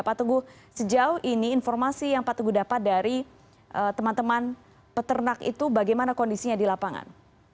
pak teguh sejauh ini informasi yang pak teguh dapat dari teman teman peternak itu bagaimana kondisinya di lapangan